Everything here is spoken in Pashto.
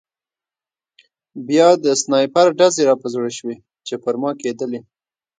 بیا د سنایپر ډزې را په زړه شوې چې پر ما کېدلې